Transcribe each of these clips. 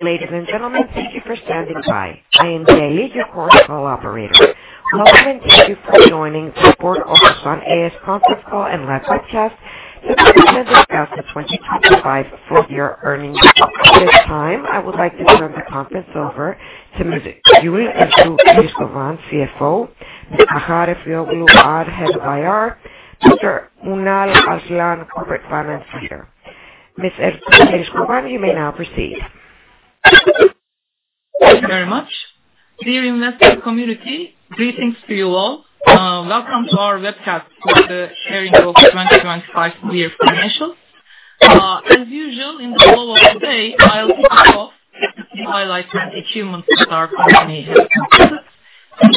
Ladies and gentlemen, thank you for standing by. I am Jade, your call operator. Welcome and thank you for joining the Board of Ford Otomotiv Sanayi A.Ş. conference call and webcast to present the Ford Otomotiv Sanayi A.Ş. 2025 full year earnings. At this time, I would like to turn the conference over to Ms. Saibe Gül Ertuğ, CFO, Ms. Bahar Efeoğlu Ağar, Head of IR, Mr. Ünal Arslan, Finance Director. Ms. Saibe Gül Ertuğ, you may now proceed. Thank you very much. Dear investor community, greetings to you all. Welcome to our webcast for the sharing of 2025 financials. As usual in the flow of the day, I'll kick off highlighting achievements of our company.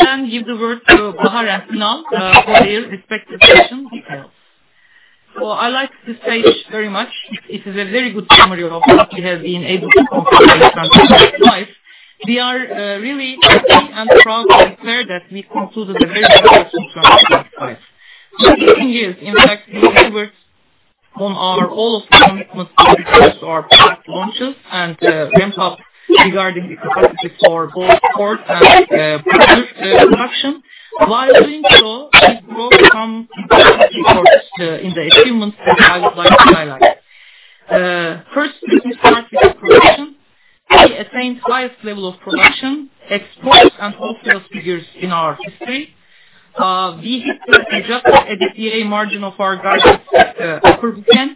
Then give the word to Bahar and Ünal for their respective section details. I like this page very much. It is a very good summary of what we have been able to accomplish in 2025. We are really happy and proud and clear that we concluded a very successful 2025. In recent years, in fact, we delivered on our all of our product launches and ramped up regarding the capacity for both core and product production. While doing so, we broke some important records in the achievements that I would like to highlight. First, let me start with the production. We attained highest level of production, exports and wholesale figures in our history. We hit the adjusted EBITDA margin of our guidance at upper end.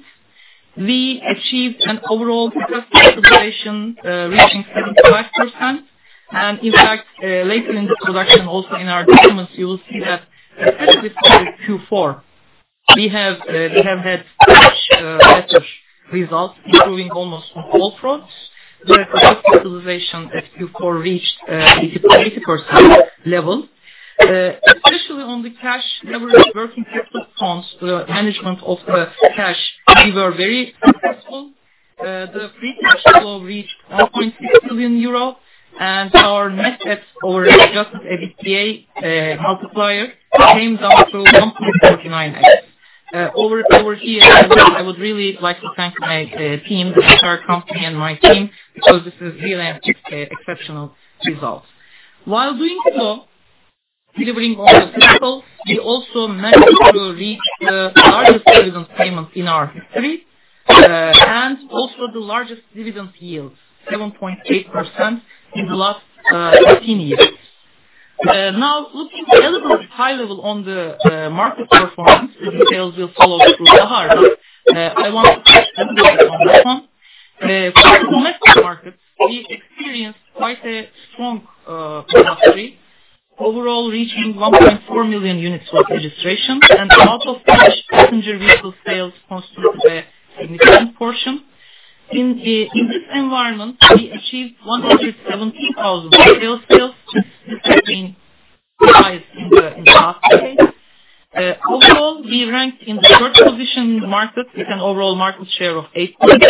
We achieved an overall capacity utilization reaching 75%. In fact, later in the presentation also in our documents you will see that especially Q4, we have had much better results improving almost on all fronts. The capacity utilization at Q4 reached 88% level. Especially on the cash leverage working capital funds, the management of the cash, we were very successful. The free cash flow reached 1.6 billion euro and our net debt to adjusted EBITDA multiplier came down to 1.49x. Over here, I would really like to thank my team, the entire company and my team, because this is really an exceptional result. While doing so, delivering all the results, we also managed to reach the largest dividend payment in our history, and also the largest dividend yield, 7.8% in the last 18 years. Now looking a little bit high level on the market performance. The details will follow through Bahar. I want to touch a little bit on this one. For the domestic market, we experienced quite a strong performance overall reaching 1.4 million units of registration and out of which passenger vehicle sales constitute a significant portion. In this environment, we achieved 117,000 sales, which has been highest in the last decade. Overall, we ranked in the third position in the market with an overall market share of 18%.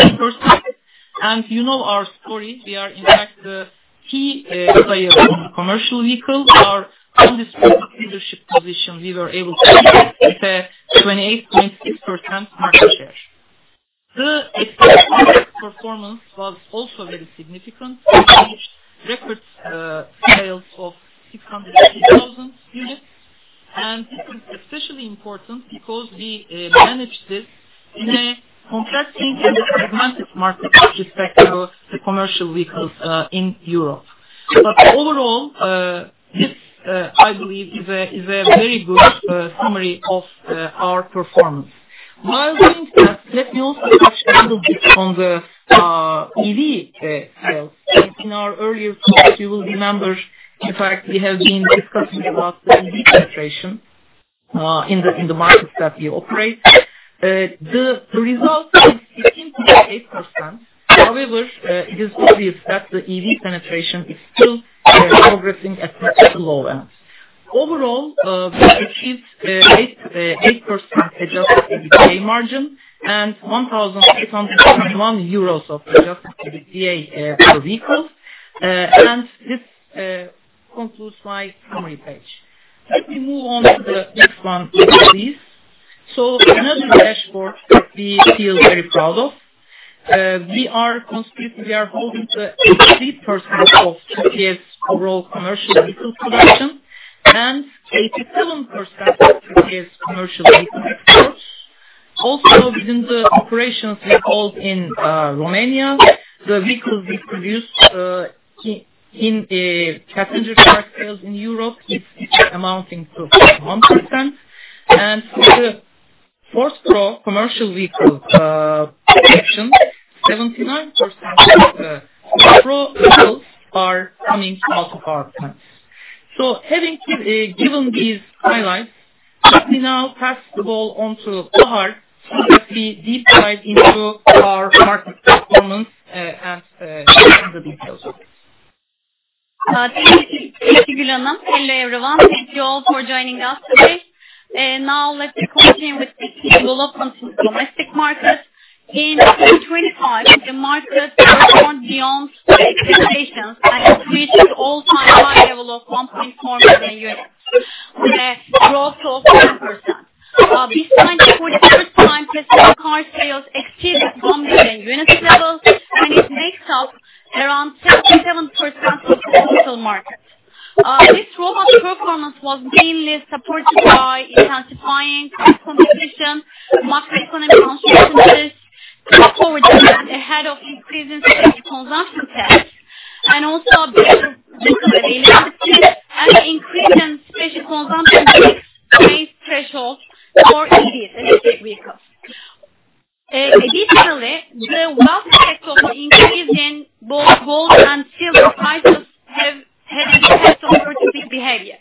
You know our story. We are in fact the key player in the commercial vehicle. Our undisputed leadership position, we were able to keep with a 28.6% market share. The export market performance was also very significant. We reached record sales of 680,000 units. This is especially important because we managed this in a contracting and a fragmented market with respect to the commercial vehicles in Europe. Overall, this I believe is a very good summary of our performance. While doing that, let me also touch a little bit on the EV sales. In our earlier calls, you will remember, in fact, we have been discussing about the EV penetration in the markets that we operate. The result is 15.8%. However, it is obvious that the EV penetration is still progressing at relatively low ends. Overall, we achieved 8% adjusted EBITDA margin and 1,621 euros of adjusted EBITDA per vehicle. This concludes my summary page. Let me move on to the next one, please. Another dashboard we feel very proud of. We are holding to 83% of Turkey's overall commercial vehicle production and 87% of Turkey's commercial vehicle exports. Also within the operations we hold in Romania, the vehicles we produce in passenger car sales in Europe is amounting to 100%. For the Ford commercial vehicle production, 79% of the EU sales are coming out of our plants. Having given these highlights, let me now pass the ball on to Bahar so that we deep dive into our market performance, and the details of it. Thank you, Saibe Gül Ertuğ. Hello everyone. Thank you all for joining us today. Now let me continue with the key developments in the domestic market. In 2025, the market performed beyond expectations by reaching all-time high level of 1.4 million units. Car sales exceeded 1 million unit levels, and it makes up around 37% of the total market. This robust performance was mainly supported by intensifying price competition, macroeconomic uncertainties, pull forward demand ahead of increases in Special Consumption Tax, and also a bigger discount eligibility and the increase in Special Consumption Tax base thresholds for EVs, vehicles. Additionally, the wealth effect of increasing both gold and silver prices have had effects on purchasing behavior.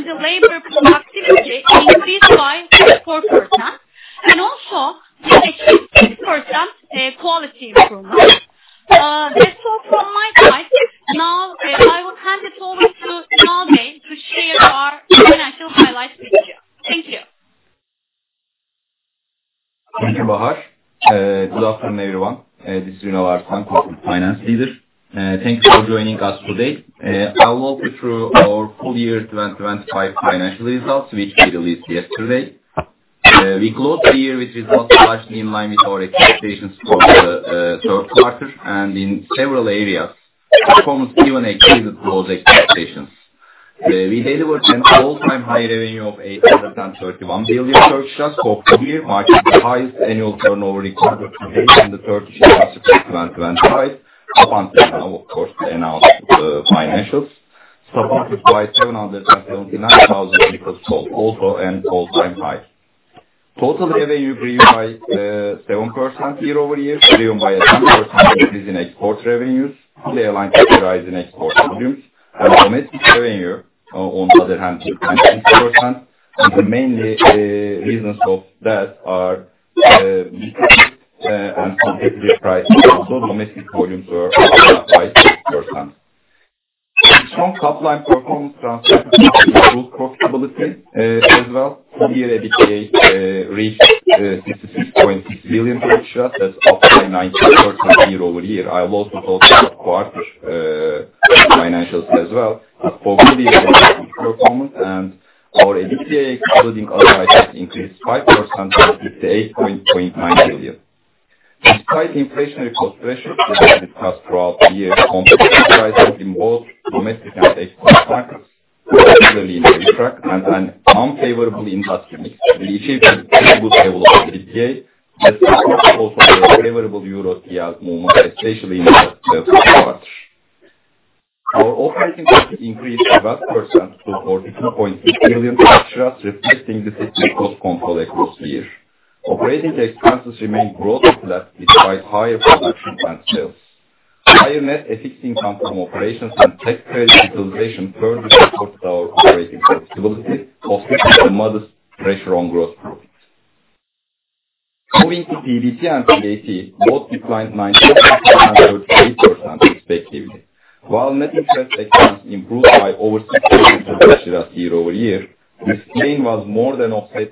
the labor productivity increased by 6% and also we achieved 8% quality improvement. That's all from my side. Now, I will hand it over to Nagihan to share our financial results. Good afternoon, everyone. This is Mehmet Arslan, Group Finance Leader. Thank you for joining us today. I'll walk you through our full year 2025 financial results, which we released yesterday. We closed the year with results largely in line with our expectations for the third quarter, and in several areas, performance even exceeded those expectations. We delivered an all-time high revenue of 831 billion for full year, marking the highest annual turnover recorded in Turkish lira since 2025. Up until now, of course, we announced the financials, supported by 779,000 vehicles sold, also an all-time high. Total revenue grew by 7% year-over-year, driven by 11% increase in export revenues, clearly in line with the rise in export volumes. Domestic revenue, on the other hand, declined 6%. The main reasons of that are weak demand and competitive pricing, although domestic volumes were up by 8%. Strong top-line performance translated into good profitability as well. Full year EBITDA reached TRY 66.6 billion. That's up by 19% year-over-year. I will also talk about quarter financials as well. For full year, a very good performance, and our EBITDA including other items increased 5% to 58.9 billion. Despite inflationary cost pressures that we discussed throughout the year, competitive prices in both domestic and export markets, particularly in the A-segment, and an unfavorable industry mix, we achieved a very good level of EBITDA, as well as also the favorable Euro TL movement, especially in the fourth quarter. Our operating profit increased 12% to 42.6 billion, reflecting disciplined cost control across the year. Operating expenses remained broadly flat despite higher production and sales. Higher net FX income from operations and tax credit utilization further supported our operating profitability, offsetting the modest pressure on gross profit. Moving to PBT and PAT, both declined 19% and 28% respectively. While net interest expense improved by over 60 billion year-over-year, this gain was more than offset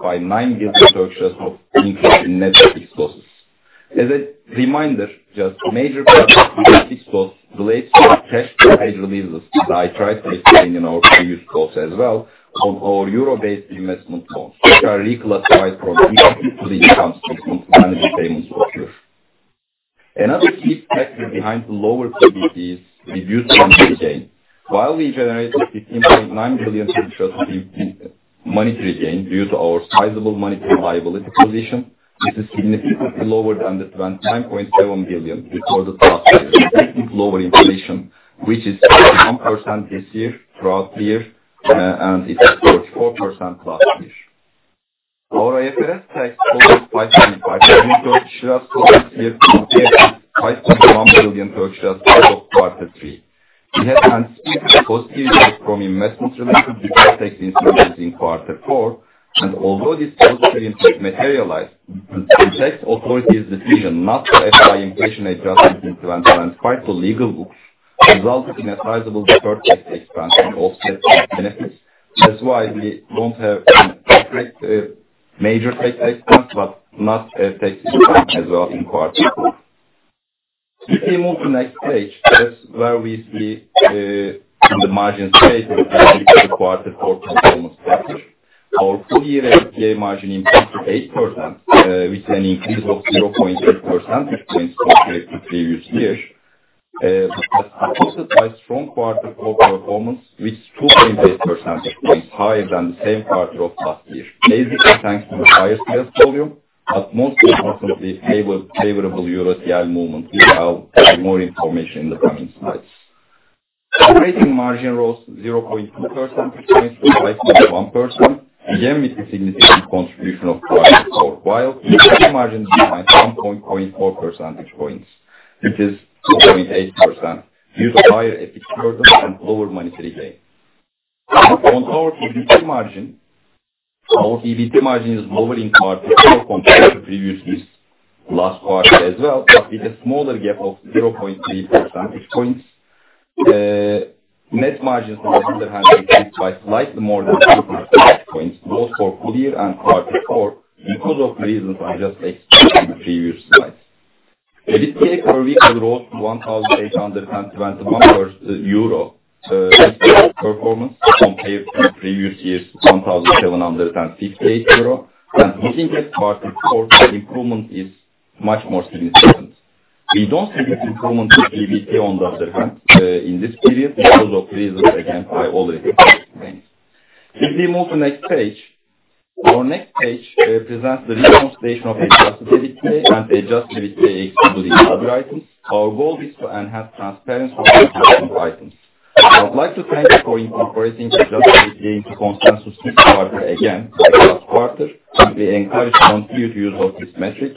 by 9 billion of increase in net FX losses. As a reminder, the major part of FX loss relates to cash flow hedge releases that I tried explaining in our previous calls as well on our euro-based investment loans, which are reclassified from gains to the income statement when the payments occur. Another key factor behind lower PBT is reduced monetary gain. While we generated 15.9 billion in monetary gains due to our sizable monetary liabilities position, this is significantly lower than the 29.7 billion recorded last year, reflecting lower inflation, which is 1% this year throughout the year, and it was 4% last year. Our IFRS tax cost was TRY 5.5 billion for this year compared to TRY 5.1 billion for quarter three. We had anticipated positivity from investment-related deferred tax incentives in quarter four, and although this positivity materialized, the tax authority's decision not to apply inflation adjustments in 2025 to legal books resulted in a sizable deferred tax expense and offset the benefits. That's why we won't have separate major tax expense but not a tax expense as well in quarter four. If we move to next page, that's where we see on the margins page with the quarter four performance summary. Our full year EBITDA margin increased to 8%, with an increase of 0.8 percentage points compared to previous year. That's supported by strong quarter four performance, which 2.8 percentage points higher than the same quarter of last year, mainly thanks to the higher sales volume, but most importantly, favorable Euro TL movement. We will have more information in the coming slides. Operating margin rose 0.2 percentage points to 5.1%, again, with the significant contribution of quarter four, while EBIT margin declined 1.4 percentage points. It is 2.8% due to higher FX burden and lower monetary gain. Our EBIT margin is lower in quarter four compared to previous year's last quarter as well, but with a smaller gap of 0.3 percentage points. Net margins on the other hand increased by slightly more than two percentage points, both for full year and quarter four because of reasons I just explained in the previous slides. EBITDA per vehicle rose to 1,821 euro in performance compared to previous year's 1,758 euro. Looking at quarter four, improvement is much more significant. We don't see this improvement in PBT on the other hand in this period because of reasons, again, I already explained. If we move to next page. Our next page presents the reconciliation of adjusted EBITDA and adjusted EBITDA including other items. Our goal is to enhance transparency of these important items. I'd like to thank you for incorporating adjusted EBITDA into consensus each quarter again this last quarter, and we encourage continued use of this metric.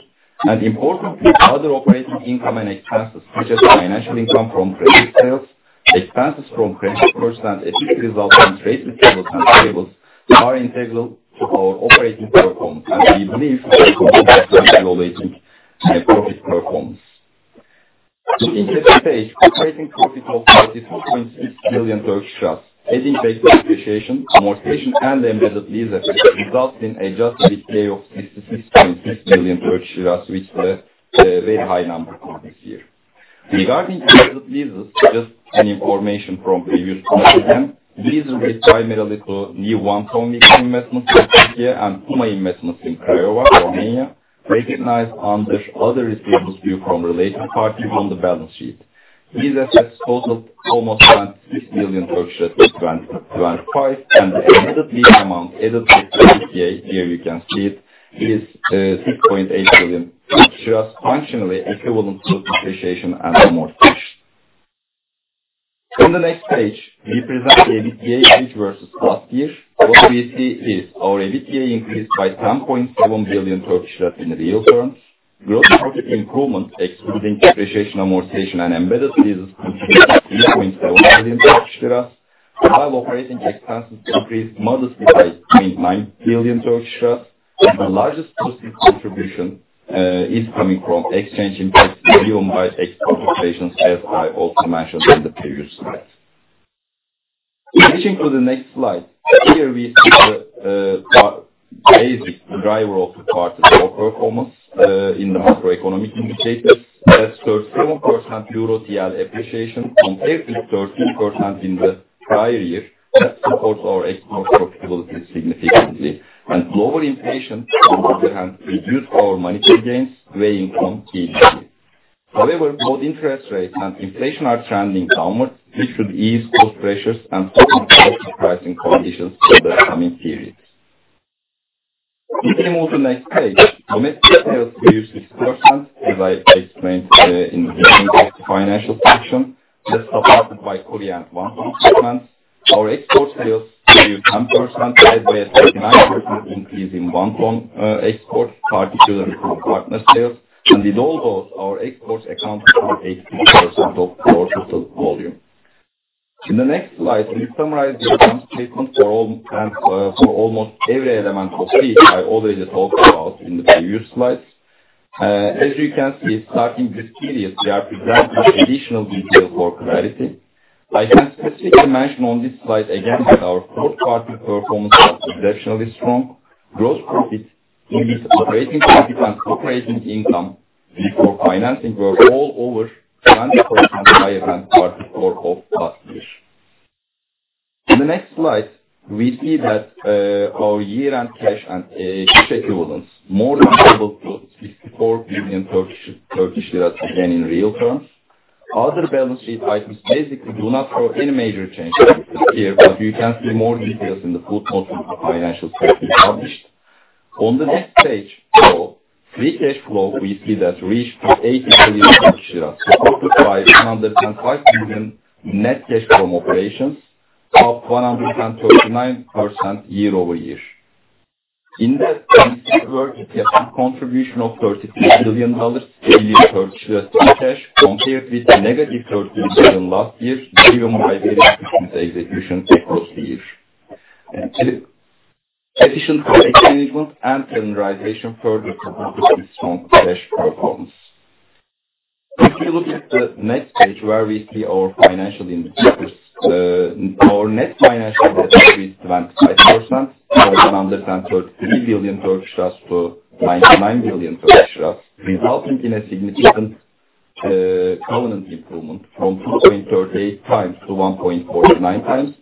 Importantly, other operating income and expenses, such as financial income from credit sales, expenses from credit purchases, and FX results from trade receivables and payables are integral to our operating performance, and we believe they contribute to our overall rating and profit performance. In the next page, operating profit of 32.6 billion, adding back depreciation, amortization, and the embedded lease results in adjusted EBITDA of TRY 66.6 billion, which is a very high number for this year. Regarding embedded leases, just an information from previous quarter again. Leases is primarily for new van investments in Turkey and Puma investments in Craiova, Romania, recognized under other receivables due from related parties on the balance sheet. Lease assets totaled almost 26 billion in 2025, and the embedded lease amount added to EBITDA, here you can see it, is six point eight billion Turkish lira, functionally equivalent to depreciation and amortization. In the next page, we present the EBITDA and interest versus last year. What we see is our EBITDA increased by 10.7 billion in real terms. Gross margin improvement, excluding depreciation, amortization, and embedded leases, contributed 3.7 billion. While operating expenses increased modestly by 0.9 billion. The largest positive contribution is coming from exchange impact from realized export operations, as I also mentioned in the previous slides. Switching to the next slide. Here we see the basic driver of the parity core performance in macroeconomic indicators. That's 13% Euro TL appreciation compared with 13% in the prior year. That supports our export profitability significantly. Lower inflation, on the other hand, reduced our monetary gains weighing on EBITDA. However, both interest rates and inflation are trending downward. This should ease both pressures and support more sustainable conditions for the coming periods. If we move to the next page, domestic sales grew 6%, as I explained in the beginning of the financial section. That's supported by currency and equipment. Our export sales grew 10%, led by a 39% increase in van export, particularly from partner sales. With all those, our exports accounted for 80% of our total volume. In the next slide, we summarize the income statement for almost every element you see I already talked about in the previous slides. As you can see, starting this period, we are presenting additional detail for clarity. I can specifically mention on this slide again that our fourth quarter performance was exceptionally strong. Gross profit, EBITDA, operating profit, and operating income before financing were all over 20% higher than quarter four of last year. In the next slide, we see that our year-end cash and equivalents more than doubled to 64 billion again in real terms. Other balance sheet items basically do not show any major changes this year, but you can see more details in the footnotes of the financial statement published. On the next page, so free cash flow, we see that reached 80 billion, supported by 105 billion net cash from operations, up 139% year-over-year. In that, were a cash contribution of TRY 32 billion free cash compared with negative TRY 13 billion last year, driven by better business execution across the year. Two, efficient working capital management and optimization further contributed to strong cash performance. If you look at the next page where we see our financial indicators, our net financial debt decreased 25%, from 133 billion to 99 billion, resulting in a significant covenant improvement from 2.38 times to 1.49 times.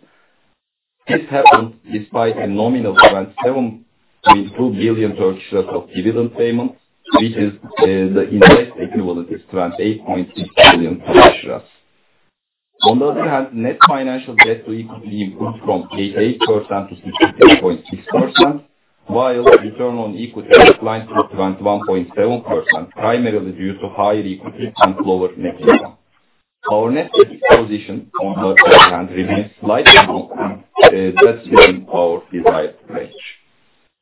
This happened despite a nominal 27.2 billion of dividend payment, which is, the interest equivalent is 28.6 billion. On the other hand, net financial debt to equity improved from 88% to 68.6%, while return on equity declined to 21.7%, primarily due to higher equity and lower net income. Our net debt position, on the other hand, remains slightly above, that's within our desired range.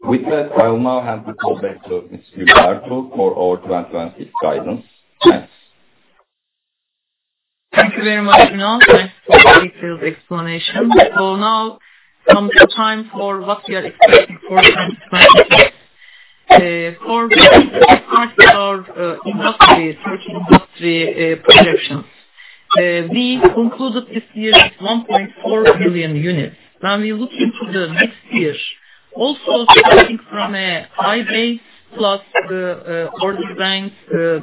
With that, I will now hand the call back to Ms. Gül Ertuğ for our 2020 guidance. Thanks. Thank you very much, Ünal. Thanks for the detailed explanation. Now comes the time for what we are expecting for 2026. For our industry, Turkish industry projections. We concluded this year with 1.4 billion units. When we look into the next year, also starting from a high base plus the order banks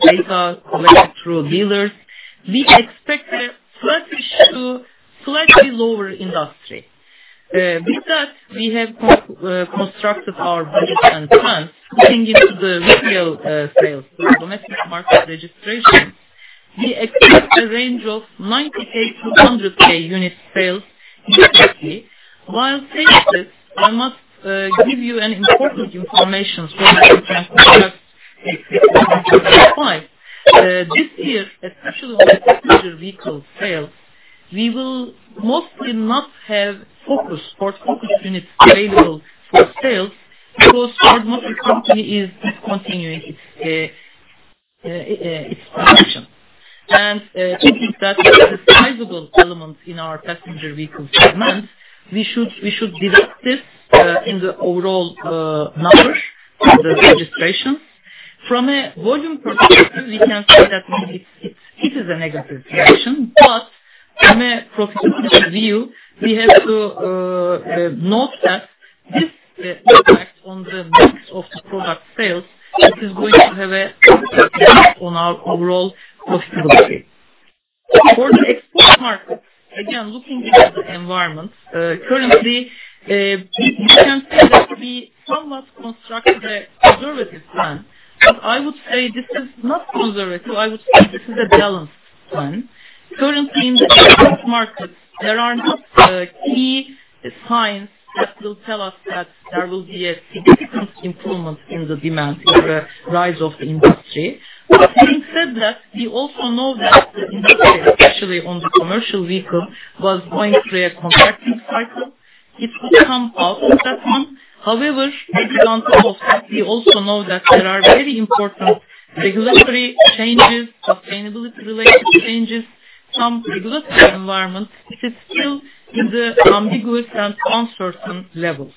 data collected through dealers, we expect a sluggish to slightly lower industry. With that, we have constructed our budget and plans looking into the retail sales for domestic market registration. We expect a range of 90K-100K unit sales yearly. While saying this, I must give you an important information. This year, especially on the passenger vehicle sales, we will mostly not have Focus units available for sales because Ford Motor Company is discontinuing its production. Thinking that it's a sizable element in our passenger vehicle demand, we should deduct this in the overall numbers. The registrations. From a volume perspective, we can say that it is a negative reaction. From a profitability view, we have to note that this impact on the mix of the product sales, this is going to have a on our overall profitability. For the export market, again, looking into the environment, currently, we can say that we somewhat constructed a conservative plan, but I would say this is not conservative. I would say this is a balanced plan. Currently in the export markets, there are not key signs that will tell us that there will be a significant improvement in the demand or a rise of the industry. Having said that, we also know that the industry, especially on the commercial vehicle, was going through a contracting cycle. It could come out of that one. However, on top of that, we also know that there are very important regulatory changes, sustainability related changes, some regulatory environment which is still in the ambiguous and uncertain levels.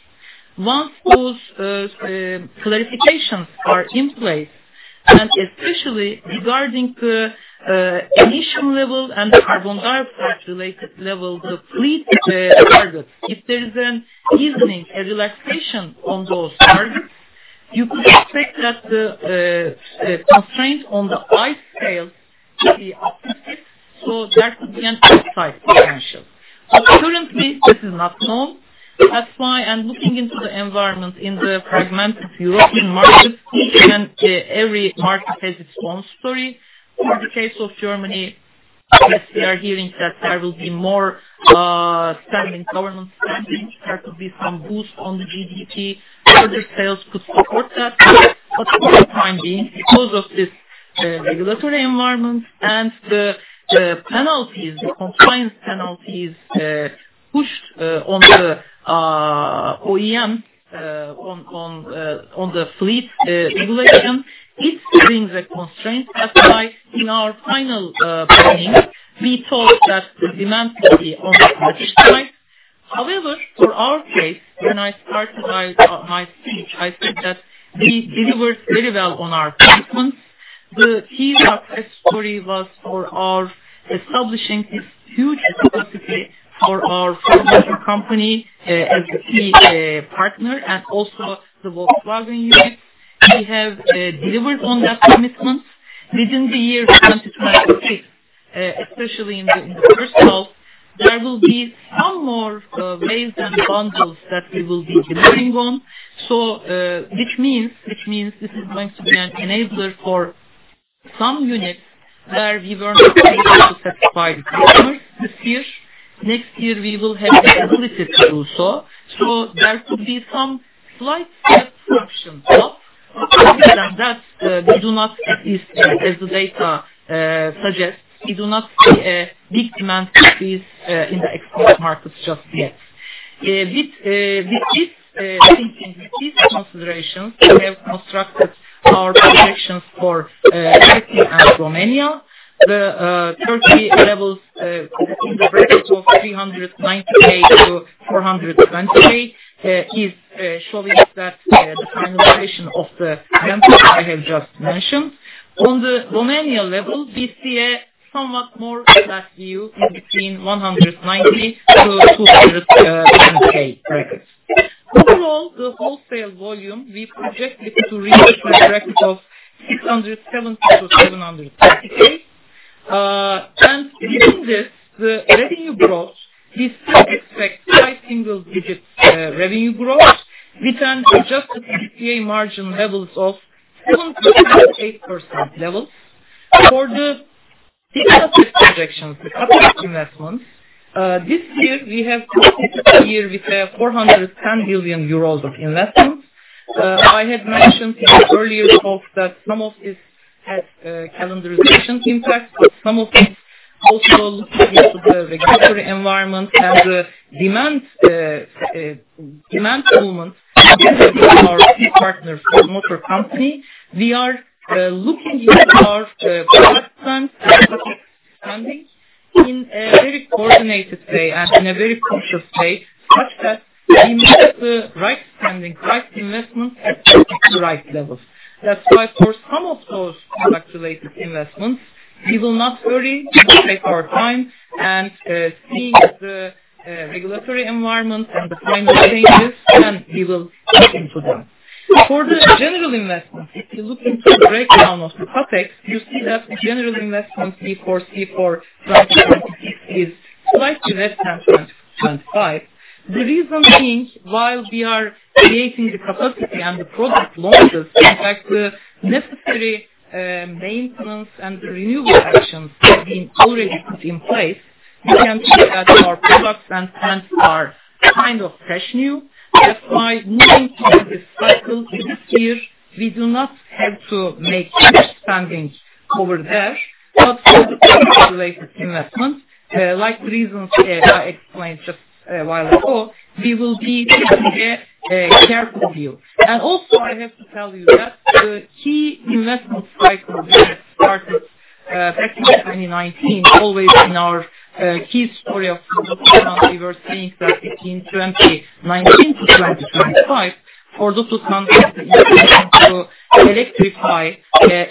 Once those clarifications are in place, and especially regarding the emission levels and the carbon dioxide related levels, the fleet targets. If there is an easing, a relaxation on those targets, you could expect that the constraint on the ICE sales to be uplifted. There could be an upside potential. Currently this is not known. That's why I'm looking into the environment. In the fragmented European markets, every market has its own story. For the case of Germany, yes, we are hearing that there will be more spending, government spending. There could be some boost on the GDP. Further sales could support that. For the time being, because of this regulatory environment and the penalties, the compliance penalties pushed on the OEM, on the fleet regulation, it brings a constraint. That's why in our final planning, we thought that the demand could be on the modest side. However, for our case, when I started my speech, I said that we delivered very well on our commitments. The key success story was for our establishing this huge capacity for our financial company, as a key partner and also the Volkswagen unit. We have delivered on that commitment. Within the year 2023, especially in the first half, there will be some more ways and bundles that we will be delivering on. Which means this is going to be an enabler for some units where we were not able to satisfy the customers this year. Next year we will have the ability to do so. There could be some slight sales traction. But other than that, as the data suggests, we do not see a big demand increase in the export markets just yet. With this thinking, with these considerations, we have constructed our projections for Turkey and Romania. The Turkey levels between the bracket of 390K-420K is showing that the kind of relation of the template I have just mentioned. On the Romanian level, we see a somewhat more relaxed view in between 190-210K brackets. Overall, the wholesale volume we projected to reach a bracket of 670-730K. Within this, the revenue growth we still expect high single digits revenue growth. We can adjust the EBITDA margin levels of 7.58% levels. For the CapEx projections, the CapEx investments, this year we have completed a year with 410 billion euros of investment. I had mentioned in the earlier calls that some of it had calendarization impact, but some of it also related to the regulatory environment and the demand movement with our key partner, Ford Motor Company. We are looking into our product plan and capacity spending in a very coordinated way and in a very conscious way, such that we make the right spending, right investment at the right levels. That's why for some of those product related investments, we will not hurry. We will take our time and seeing the regulatory environment and the timing changes, then we will look into them. For the general investments, if you look into the breakdown of the CapEx, you see that the general investments we foresee for 2026 is slightly less than 2025. The reason being, while we are creating the capacity and the product launches, in fact, the necessary maintenance and renewal actions have been already put in place. We can say that our products and plants are kind of fresh new. That's why looking to the cycle this year, we do not have to make huge spendings over there. For the product related investment, like the reasons I explained just a while ago, we will be taking a careful view. I have to tell you that the key investment spike on the back in 2019, always in our key story of we were saying that between 2019 to 2025 for those who to electrify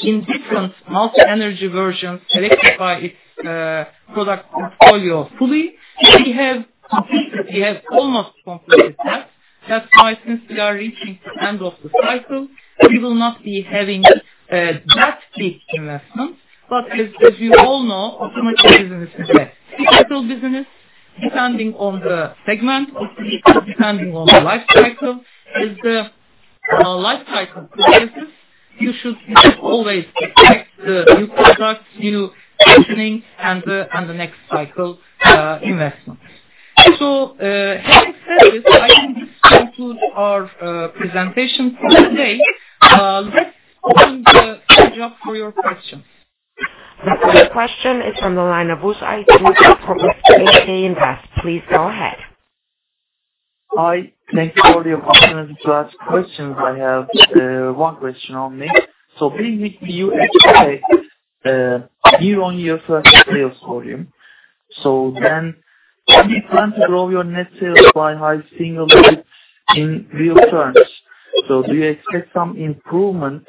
in different multi energy versions, electrify its product portfolio fully. We have almost completed that. That's why since we are reaching the end of the cycle, we will not be having that big investment. As you all know, automotive business is a cyclical business, depending on the segment, depending on the life cycle. As the life cycle progresses, you should always expect the new products, new positioning and the next cycle investments. Having said this, I think this concludes our presentation for today. Let's open the floor up for your questions. The first question is from the line of Uzay Tuğ from HSBC Invest. Please go ahead. Hi. Thanks for the opportunity to ask questions. I have one question only. Given that you expect year-on-year flat sales volume, you plan to grow your net sales by high single digits% in real terms. Do you expect some improvement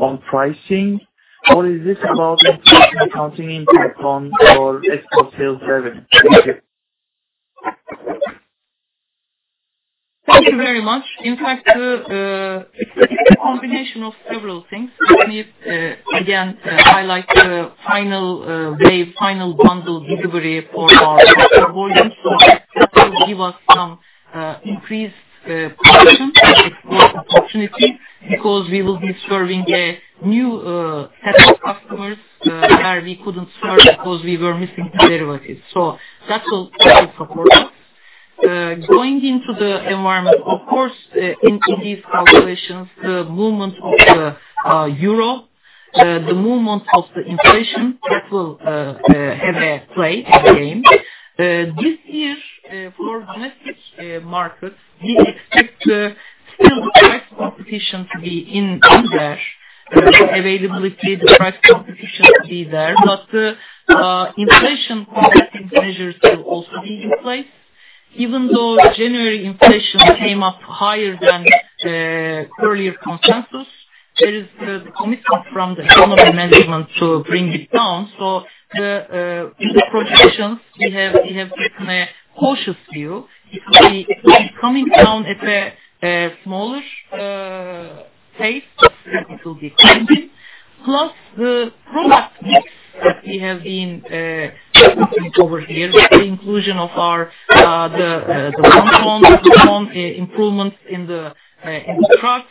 on pricing or is this about improving accounting impact on your export sales revenue? Thank you. Thank you very much. In fact, it's a combination of several things. Let me again highlight the final wave, final bundle delivery for our volume. So that will give us some increased production export opportunity because we will be serving a new set of customers where we couldn't serve because we were missing derivatives. So that will support us. Going into the environment, of course, in these calculations, the movement of the Euro, the movement of the inflation, that will have a play in the game. This year, for domestic market, we expect still the price competition to be in there. Availability, the price competition to be there. But inflation combating measures will also be in place. Even though January inflation came up higher than the earlier consensus, there is the commitment from the economic management to bring it down. The projections we have, we have taken a cautious view. It will be coming down at a smallish pace. It will be trending. Plus the product mix that we have been discussing over here, the inclusion of our improvements in the trucks.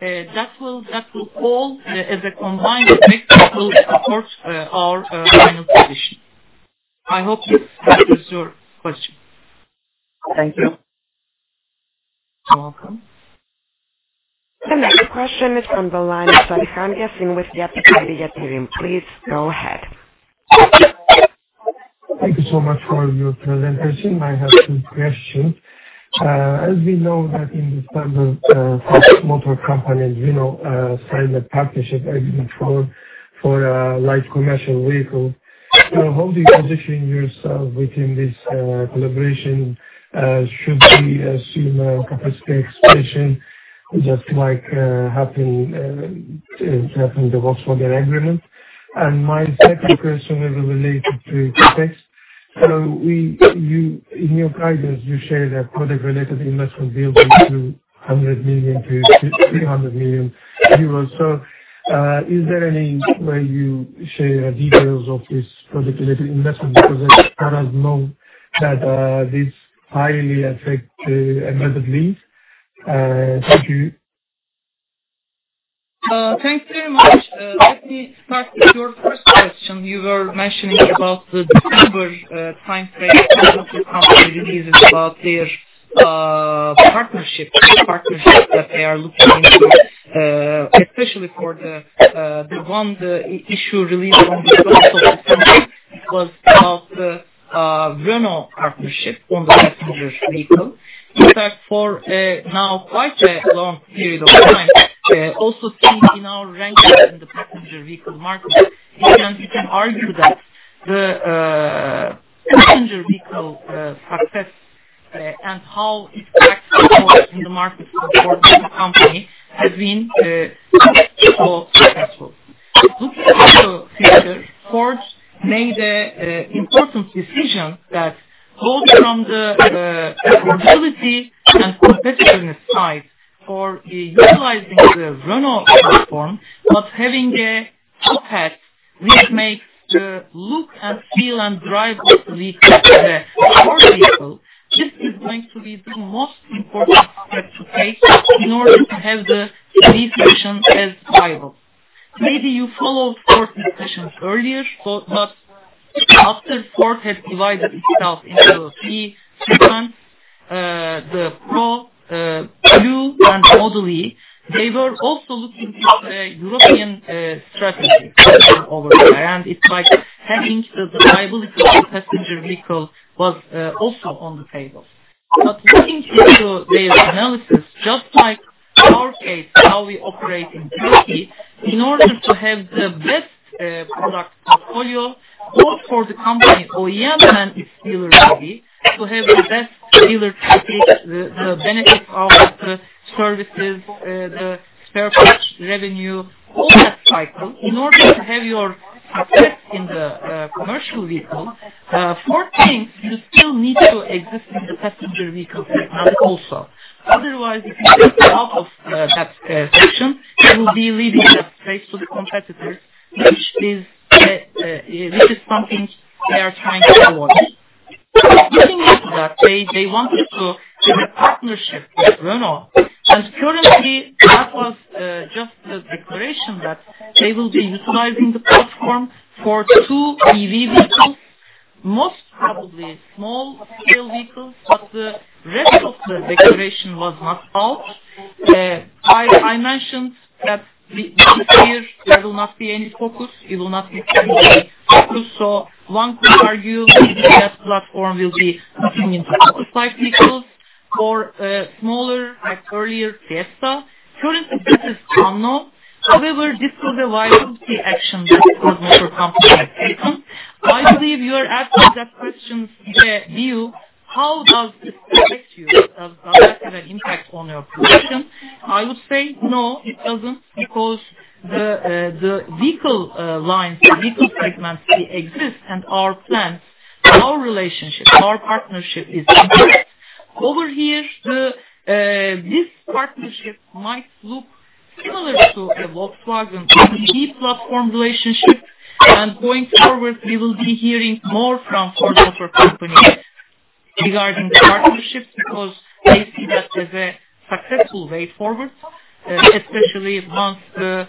That will all, as a combined mix, support our final position. I hope this answers your question. Thank you. You're welcome. The next question is on the line of Ali Can Kasim with Yapı Kredi Yatırım. Please go ahead. Thank you so much for your presentation. I have two questions. As we know that in December, Ford Motor Company, Renault, signed a partnership agreement for light commercial vehicle. How do you position yourself within this collaboration? Should we assume a capacity expansion just like happened in the Volkswagen agreement? My second question will be related to CapEx. You, in your guidance you share that product related investment will be between 100 million-300 million euros. Is there any way you share details of this product related investment because as far as known that this highly affect, admittedly. Thank you. Thanks very much. Let me start with your first question. You were mentioning about the December time frame Ford Motor Company releases about their new partnership that they are looking into, especially for the issue released on December first was about the Renault partnership on the passenger vehicle. In fact, for now quite a long period of time, also seeing in our rankings in the passenger vehicle market, you can argue that the passenger vehicle success and how it tracks forward in the market for Ford Motor Company has been equally successful. Looking into the future, Ford made an important decision that both from the affordability and competitiveness side for utilizing the Renault platform, but having a path which makes the look and feel and drive of the vehicle the Ford vehicle. This is going to be the most important step to take in order to have the decision as viable. Maybe you followed Ford discussions earlier, but after Ford had divided itself into three segments, the Pro, Blue and Model e, they were also looking into a European strategy over there, and it's like having the viability of the passenger vehicle was also on the table. Looking into their analysis. Okay. Now we operate in Turkey in order to have the best product portfolio, both for the company OEM and its dealer maybe, to have the best dealer strategy, the benefit of the services, the spare parts revenue, whole life cycle. In order to have your success in the commercial vehicle for Ford, you still need to exist in the passenger vehicle segment also. Otherwise, if you take them out of that section, you will be leaving the space to the competitors, which is something they are trying to avoid. Looking into that, they wanted to have a partnership with Renault, and currently that was just a declaration that they will be utilizing the platform for two EV vehicles, most probably small scale vehicles. But the rest of the declaration was not out. I mentioned that this year there will not be any Focus. It will not be changing the Focus, so one could argue maybe that platform will be looking into Focus type vehicles or smaller like earlier Fiesta. Currently, this is unknown. However, this was a viability action that Ford Motor Company had taken. I believe you are asking that question to you, how does this affect you? Does that have an impact on your position? I would say no, it doesn't, because the vehicle lines, the vehicle segments they exist and our plans, our relationship, our partnership is intact. Over here, this partnership might look similar to a Volkswagen and MEB platform relationship. Going forward, we will be hearing more from Ford Motor Company regarding partnerships because they see that as a successful way forward, especially once the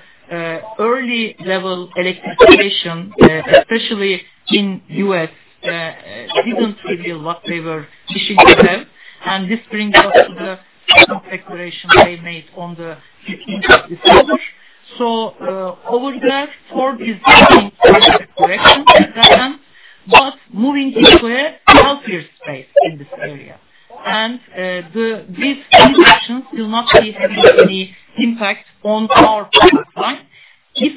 early level electrification, especially in U.S., didn't reveal what they were wishing to have. This brings us to the second declaration they made on the fifteenth of this August. Over there, Ford is moving in the right direction with them, but moving into a healthier space in this area. These two actions will not be having any impact on our timeline. If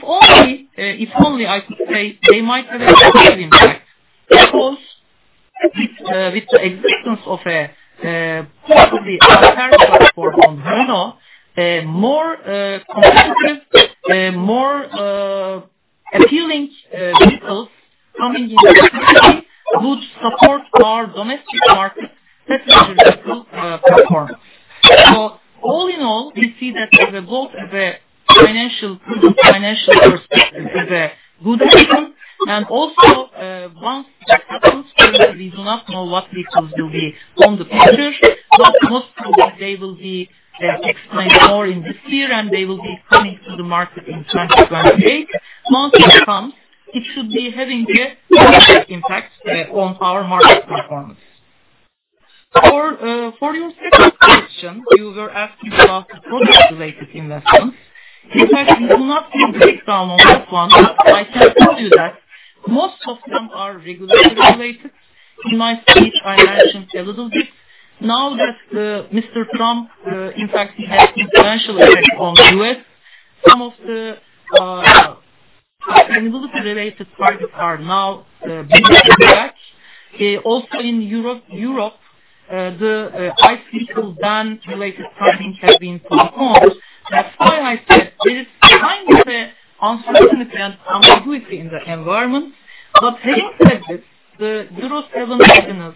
only I could say they might have a positive impact because with the existence of a possibly a partnership with Renault, more competitive, more appealing vehicles coming into Turkey would support our domestic market passenger vehicle performance. All in all, we see that as from a financial perspective a good item. Also, once that comes, currently we do not know what vehicles will be in the picture, but most probably they will be explained more in this year, and they will be coming to the market in 2028. Once that comes, it should be having a positive impact on our market performance. For your second question, you were asking about the product related investments. In fact, we do not have a breakdown on that one. I can tell you that most of them are regulatory related. In my speech, I mentioned a little bit. Now that Mr. Trump, in fact, he has influential effect on U.S., some of the sustainability related targets are now being pushed back. Also in Europe, the ICE vehicle ban related timings have been postponed. That's why I said there is kind of a uncertainty and ambiguity in the environment. Having said this, the Euro 7 emissions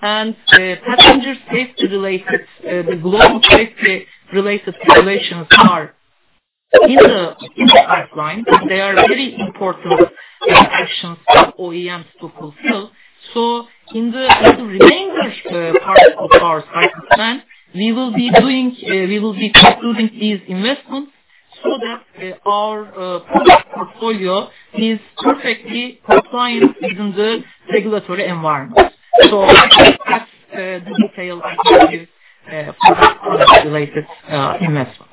and passenger safety related, the global safety related regulations are in the pipeline. They are very important actions for OEMs to fulfill. In the remainder part of our five-year plan, we will be concluding these investments so that our product portfolio is perfectly compliant within the regulatory environment. I cannot give that the detail. I gave you product related investments.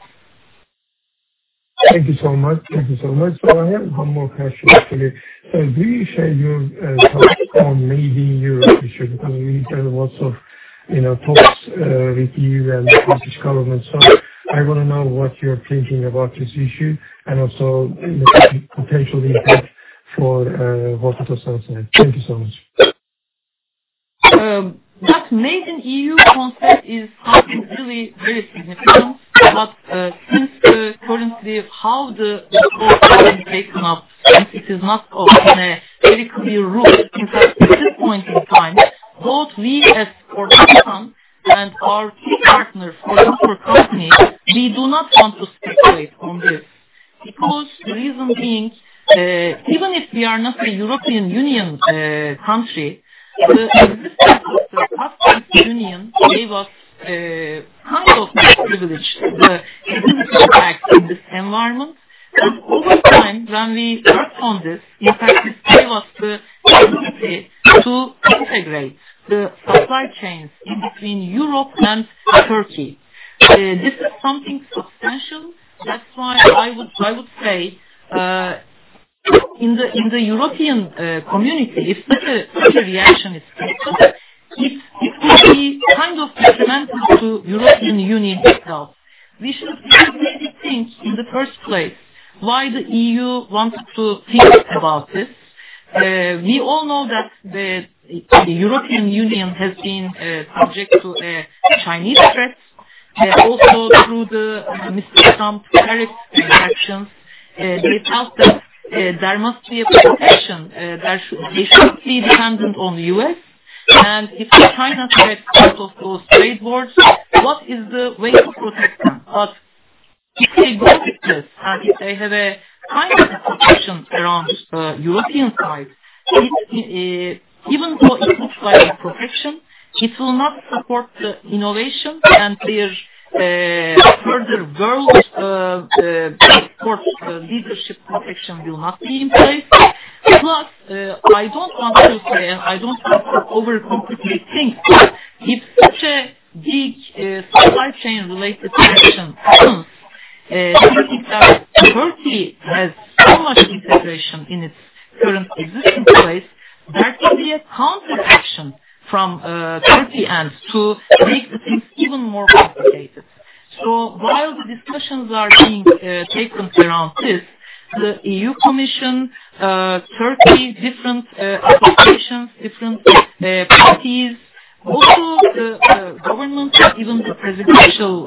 Thank you so much. I have one more question actually. Do you share your thoughts on Made in Europe issue? Because we hear lots of, you know, talks with EU and the British government. I want to know what you're thinking about this issue and also the potential impact for Ford Otosan side. Thank you so much. That Made in EU concept is something really very significant. Since currently how the rules are being taken up, and it is not on a very clear route. In fact, at this point in time, both we as Ford Otosan and our key partner, Ford Motor Company, we do not want to speculate on this. Because the reason being, even if we are not a European Union country, the existence of the Customs Union gave us kind of a privilege, the ability to act in this environment. Over time, when we worked on this, in fact, this gave us the opportunity to integrate the supply chains in between Europe and Turkey. This is something substantial. That's why I would say in the European community, if such a reaction is taken, it will be kind of detrimental to European Union itself. We should maybe think in the first place why the EU wanted to think about this. We all know that the European Union has been subject to Chinese threats, also through the Mr. Trump tariffs actions. They felt that there must be a protection. They shouldn't be dependent on the U.S. If China gets out of those trade wars, what is the way to protect them? If they go with this, and if they have a kind of protection around European side, it, even though it looks like a protection, will not support the innovation and their further world export leadership. Protection will not be in place. Plus, I don't want to say, and I don't want to overcomplicate things, but if such a big supply chain related connection happens, keeping that Turkey has so much integration in its current existing place, there can be a counteraction from Turkey ends to make the things even more complicated. While the discussions are being taken around this, the EU Commission, Turkey, different associations, different parties, also the government or even the presidential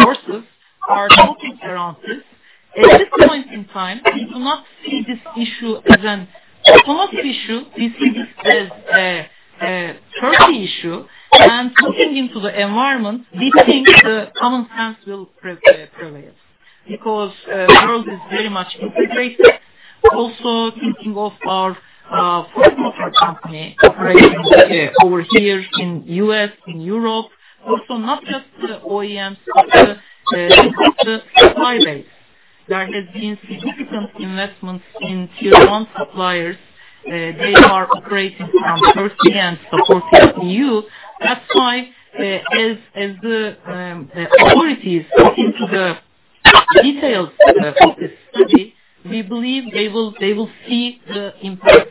forces are talking around this. At this point in time, we do not see this issue as a Turkish issue. We see this as a Turkish issue. Looking into the environment, we think the common sense will prevail because world is very much integrated. Also thinking of our Ford Motor Company operating over here in U.S., in Europe. Also not just the OEMs, but the suppliers. There has been significant investments in tier one suppliers. They are operating from Turkey and supporting EU. That's why, as the authorities look into the details for this study, we believe they will see the impact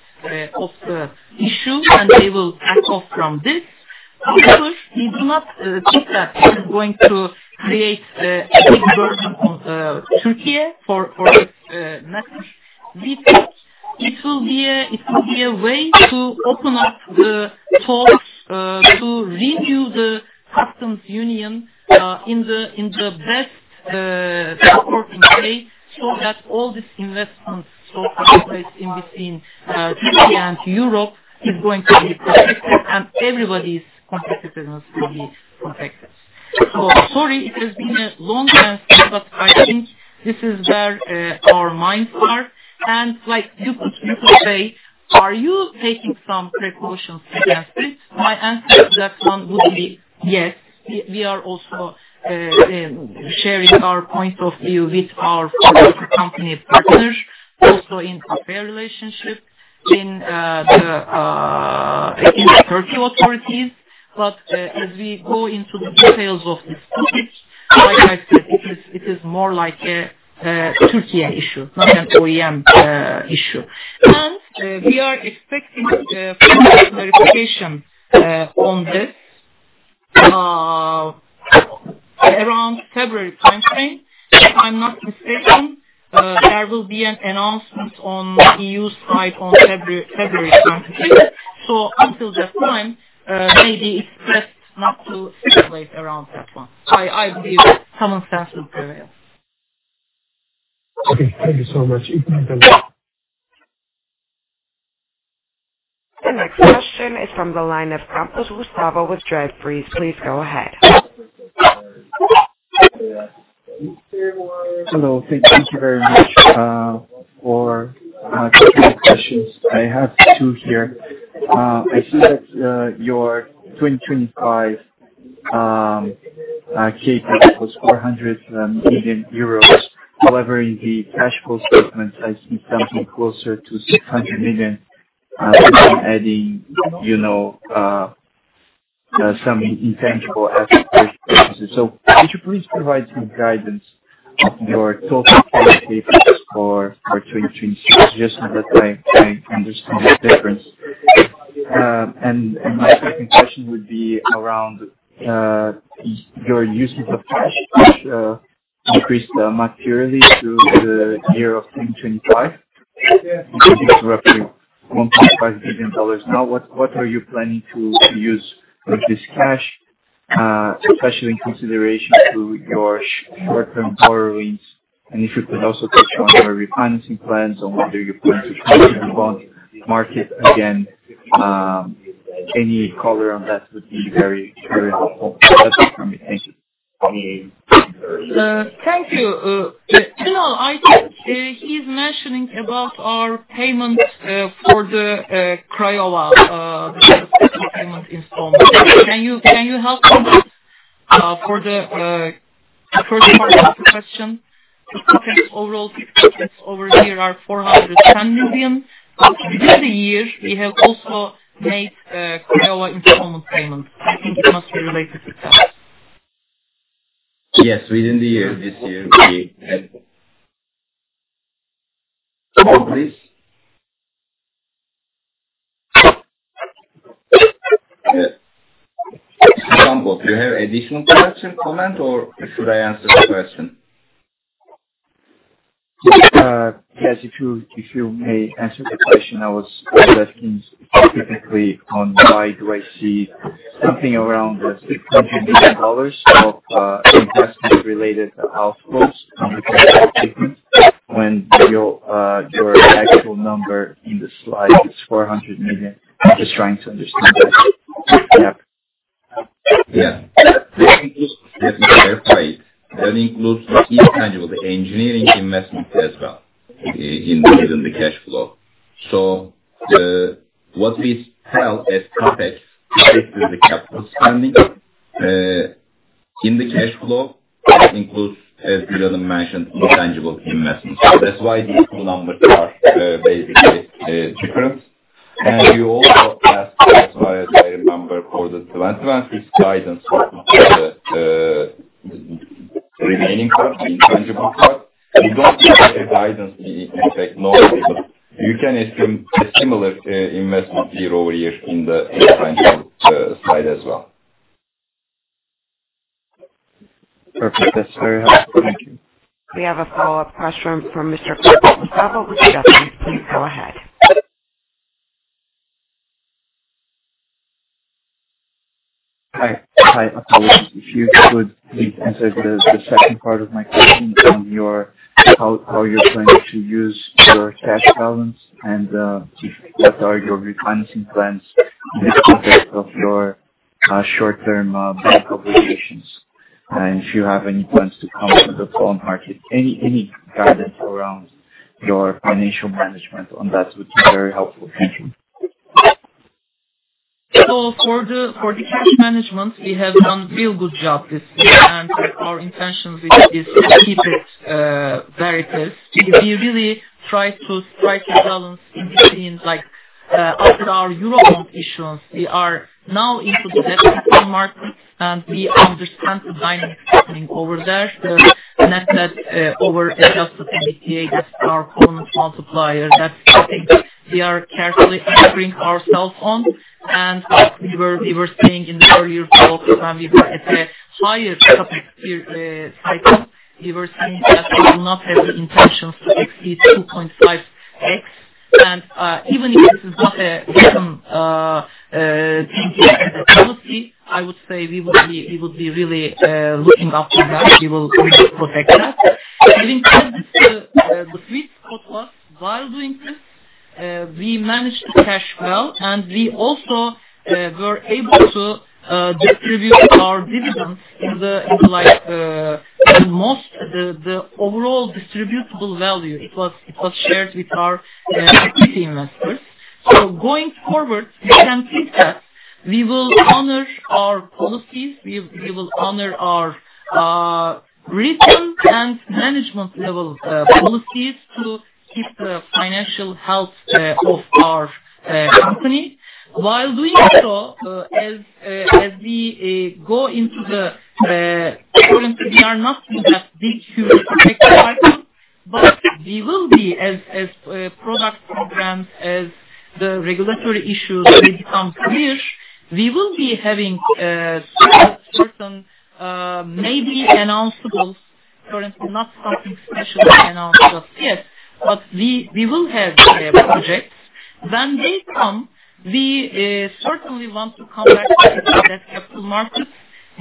of the issue, and they will back off from this. Because we do not think that this is going to create a big burden on Türkiye for its neighbors. We think it will be a way to open up the talks to review the customs union in the best support in place, so that all these investments of suppliers in between Türkiye and Europe is going to be protected and everybody's competitiveness will be protected. Sorry it has been a long answer, but I think this is where our minds are. Like you could say, "Are you taking some precautions against this?" My answer to that one would be yes. We are also sharing our point of view with our Ford Motor Company partners, also in CAFE relationship with the Turkish authorities. As we go into the details of this topic, like I said, it is more like a Türkiye issue, not an OEM issue. We are expecting further clarification on this around February timeframe. If I'm not mistaken, there will be an announcement on EU side on February timeframe. Until that time, maybe it's best not to speculate around that one. I believe common sense will prevail. Okay, thank you so much. You can disconnect. The next question is from the line of Gustavo Campos with Jefferies. Please go ahead. Hello. Thank you very much for taking my questions. I have two here. I see that your 2025 CapEx was 400 million euros. However, in the cash flow statement I see something closer to 600 million, adding you know some intangible asset basis. Could you please provide some guidance on your total CapEx for 2026, just so that I understand the difference. My second question would be around your usage of cash, which increased materially through the year of 2025 to roughly $1.5 billion. Now what are you planning to use with this cash, especially in consideration to your short-term borrowings? And if you could also touch on your refinancing plans or whether you are going to enter the bond market again. Any color on that would be very, very helpful. That's it from me. Thank you. Thank you. Bilal, I think he's mentioning about our payment for the Craiova, the payment installment. Can you help me for the first part of the question? The company's overall CapEx over the year are 410 million. Within the year we have also made Craiova installment payments. I think it must be related to that. Yes, within the year. This year will be. Go please. Yeah. Gustavo Campos, do you have additional question, comment, or should I answer the question? Yes, if you may answer the question I was asking specifically on why do I see something around the $600 million of investment related outflows on the cash flow statement when your actual number in the slide is $400 million. I'm just trying to understand that gap. That is fair play. That includes the intangible, the engineering investment as well in within the cash flow. What we tell as CapEx is the capital spending. In the cash flow, it includes, as Bilgem mentioned, intangible investments. That's why these two numbers are basically different. You also asked us why a higher number for the 2021, which is guidance for the remaining part, the intangible part. We don't give a guidance in technology, but you can assume a similar investment year over year in the intangible side as well. Perfect. That's very helpful. Thank you. We have a follow-up question from Mr. Pavel. Pavel with Jefferies, please go ahead. Hi. Hi, Gül Ertuğ. If you could please answer the second part of my question on how you're planning to use your cash balance and what are your refinancing plans in the context of your short-term bank obligations. If you have any plans to come to the bond market. Any guidance around your financial management on that would be very helpful. Thank you. For the cash management, we have done a real good job this year, and our intention with this is to keep it where it is. We really try to strike a balance in between after our Eurobond issuance, we are now into the debt capital market, and we understand the dynamics happening over there. The net debt over adjusted EBITDA is our permanent multiplier that we are carefully anchoring ourselves on. We were seeing in the earlier talk we were at a higher CapEx cycle. We were saying that we will not have the intentions to exceed 2.5x. Even if this is not a written thing here as a policy, I would say we would be really looking after that. We will really protect that. Having said this, the sweet spot was while doing this, we managed to cash well, and we also were able to distribute our dividends in the, like, in most of the overall distributable value it was shared with our equity investors. Going forward, you can think that we will honor our policies. We will honor our written and management level policies to keep the financial health of our company. While doing so, as we go into the. Currently, we are not in that big huge CapEx cycle, but we will be as product programs, as the regulatory issues may become clear, we will be having certain maybe announceables. Currently not something special to announce just yet, but we will have projects. When they come, we certainly want to come back to the debt capital market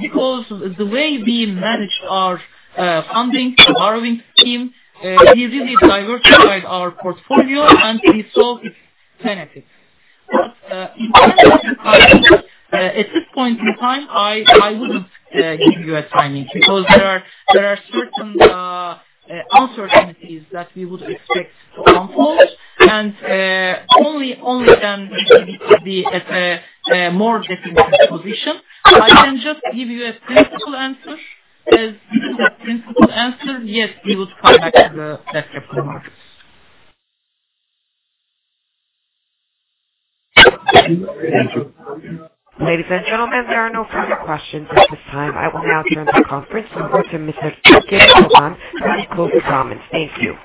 because the way we managed our funding, borrowing scheme, we really diversified our portfolio and we saw its benefits. I understand your question. At this point in time, I wouldn't give you a timing because there are certain uncertainties that we would expect to unfold, and only then we could be at a more definitive position. I can just give you a principal answer. As the principal answer, yes, we would come back to the debt capital markets. Thank you. Ladies and gentlemen, there are no further questions at this time. I will now turn the conference over to Ms. Bahar Efeoğlu Ağar to conclude the comments. Thank you.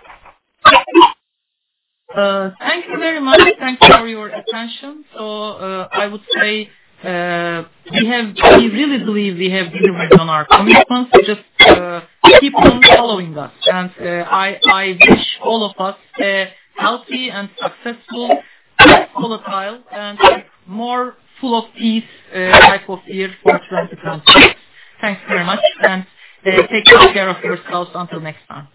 Thank you very much. Thank you for your attention. I would say we really believe we have delivered on our commitments. Just keep on following us. I wish all of us a healthy and successful, less volatile, and more full of peace type of year for 2022. Thanks very much, and take good care of yourselves until next time.